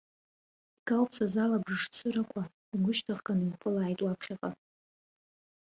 Икауԥсаз алабжыш цырақәа, игәышьҭыхган иуԥылааит уаԥхьаҟа!